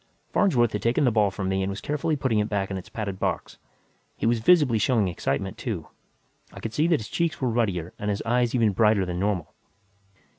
Farnsworth had taken the ball from me and was carefully putting it back in its padded box. He was visibly showing excitement, too; I could see that his cheeks were ruddier and his eyes even brighter than normal.